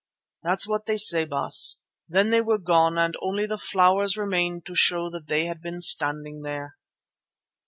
That's what they said, Baas. Then they were gone and only the flowers remained to show that they had been standing there.